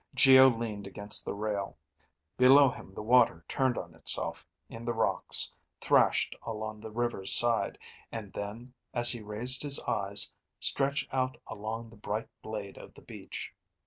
Geo leaned against the rail. Below him the water turned on itself in the rocks, thrashed along the river's side, and then, as he raised his eyes, stretched out along the bright blade of the beach.